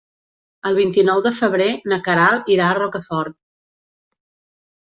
El vint-i-nou de febrer na Queralt irà a Rocafort.